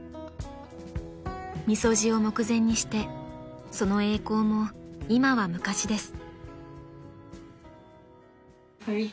［三十路を目前にしてその栄光も今は昔です］